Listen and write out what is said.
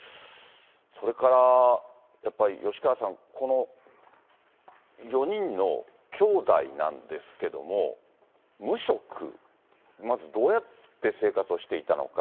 それから、やっぱり吉川さん、この４人のきょうだいなんですけども、無職、まずどうやって生活をしていたのか。